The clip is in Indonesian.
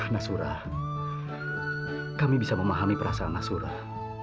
mas surah kami bisa memahami perasaan mas surah